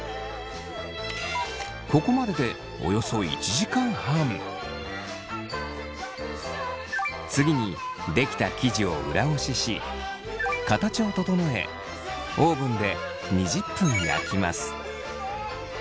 ここまでで次に出来た生地を裏ごしし形を整えオーブンで２０分焼きます。